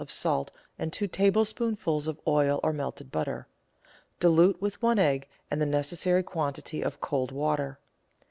of salt and two tablespoonfuls of oil or melted butter. Dilute with one egg and the necessary quantity of cold water.